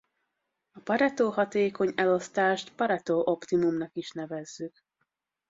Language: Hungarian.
A Pareto-hatékony elosztást Pareto-optimumnak is nevezzük.